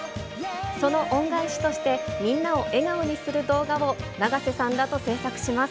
その恩返しとして、みんなを笑顔にする動画を、永瀬さんらと制作します。